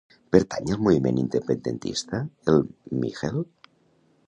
Pertany al moviment independentista el Michael?